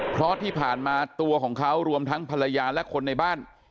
เพราะที่ผ่านมาตัวของเขารวมทั้งภรรยาและคนในบ้าน